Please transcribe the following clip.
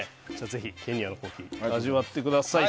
ぜひケニアのコーヒーを味わってください。